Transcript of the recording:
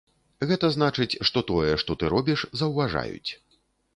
Гэта значыць, што тое, што ты робіш, заўважаюць.